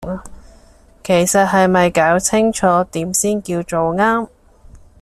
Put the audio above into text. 其實係咪攪清楚點先叫做啱